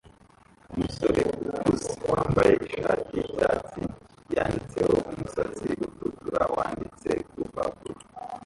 Umusore ukuze wambaye ishati yicyatsi yanditseho umusatsi utukura wanditse kurupapuro